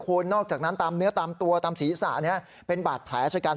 คุณนอกจากนั้นตามเนื้อตามตัวตามศีรษะเป็นบาดแผลชะกัน